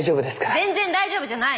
全然大丈夫じゃない！